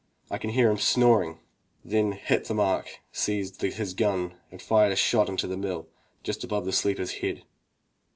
I can hear him snoring. Then Hit the mark seized his gim and fired a shot into the mill just above the sleeper's head.